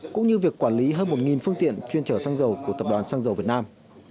cũng như việc quản lý hơn một phương tiện chuyên trở xăng dầu của tập đoàn xăng dầu việt nam